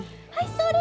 それ！